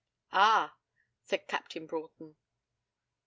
'Ah!' said Captain Broughton.